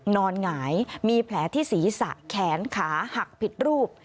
หงายมีแผลที่ศีรษะแขนขาหักผิดรูป